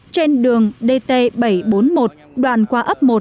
trên đường dt bảy trăm bốn mươi một đoạn qua ấp một